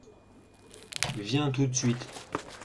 viens tout de suite.